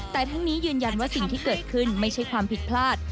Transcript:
แต่ทั้งนี้ยืนยันว่าสิ่งที่เกิดขึ้นไม่ใช่ความผิดพลาด